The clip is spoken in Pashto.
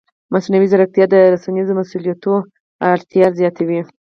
مصنوعي ځیرکتیا د رسنیز مسؤلیت اړتیا زیاتوي.